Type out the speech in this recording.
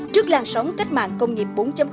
trước làn sóng cách mạng công nghiệp bốn